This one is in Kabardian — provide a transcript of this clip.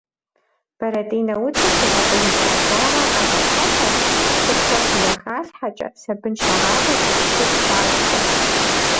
Бэрэтӏинэ удзым къыщӏакъузыкӏа дагъэр къагъэщхьэпэ хущхъуэ щызэхалъхьэкӏэ, сабын щагъавэкӏэ, дыху щащӏкӏэ.